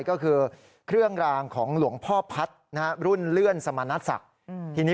ก็คือเครื่องรางของหลวงพ่อพัฒน์นะฮะ